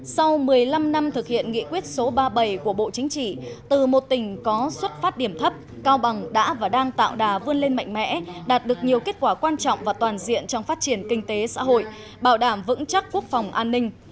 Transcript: sau một mươi năm năm thực hiện nghị quyết số ba mươi bảy của bộ chính trị từ một tỉnh có xuất phát điểm thấp cao bằng đã và đang tạo đà vươn lên mạnh mẽ đạt được nhiều kết quả quan trọng và toàn diện trong phát triển kinh tế xã hội bảo đảm vững chắc quốc phòng an ninh